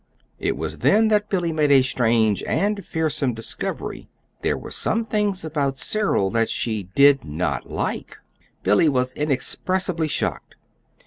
It was then that Billy made a strange and fearsome discovery: there were some things about Cyril that she did not like! Billy was inexpressibly shocked.